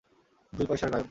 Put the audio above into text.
দুই পয়সার গায়ক!